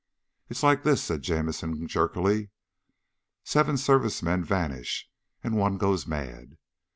"It's like this," said Jamison jerkily. "Seven Service men vanish and one goes mad.